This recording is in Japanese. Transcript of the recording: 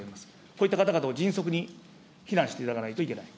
こういった方々を迅速に避難していただかないといけない。